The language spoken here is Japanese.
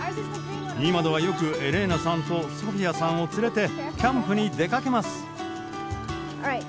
今ではよくエレーナさんとソフィアさんを連れてキャンプに出かけます。